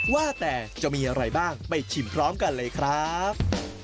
ว่าแต่จะมีอะไรบ้างไปชิมพร้อมกันเลยครับ